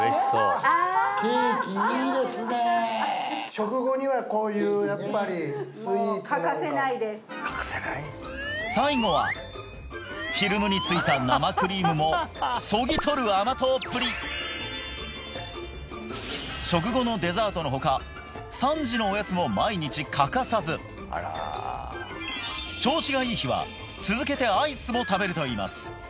食後にはこういうやっぱりスイーツというか最後はフィルムについた生クリームもそぎ取る甘党っぷり食後のデザートのほか３時のおやつも毎日欠かさず調子がいい日は続けてアイスも食べるといいます